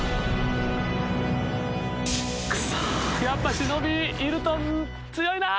クソーやっぱ忍いると強いな！